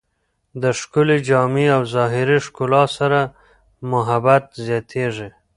د ښکلې جامې او ظاهري ښکلا سره محبت زیاتېږي.